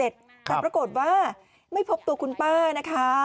แต่ปรากฏว่าไม่พบตัวคุณป้านะคะ